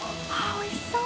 おいしそう！